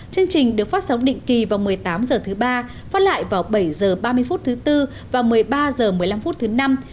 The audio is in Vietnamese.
chương trình được phát sóng định kỳ vào một mươi tám h thứ ba phát lại vào bảy h ba mươi phút thứ tư và một mươi ba h một mươi năm phút thứ năm